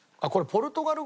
ポルトガル。